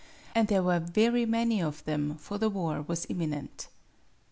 And there were very many of them, for the war was imminent.